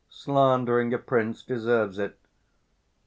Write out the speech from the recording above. _ Slandering a prince deserves it.